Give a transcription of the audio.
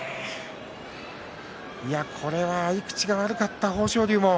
これは合い口が悪かった豊昇龍も。